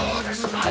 はい。